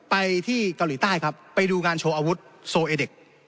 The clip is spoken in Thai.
ไปที่เกาหลีใต้ครับไปดูการโชว์อาวุธโซเอเด็ก